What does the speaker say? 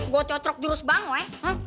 gue cocrok jurus bango ya